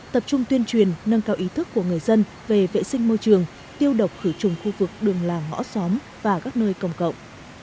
tập trung tuyên truyền nâng cao ý thức của người dân về vệ sinh môi trường tiêu độc khử trùng khu vực đường làng ngõ xóm và các nơi công cộng